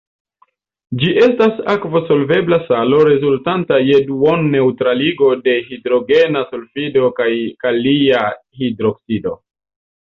Ĝi estas akvo-solvebla salo rezultanta je duon-neŭtraligo de hidrogena sulfido kaj kalia hidroksido.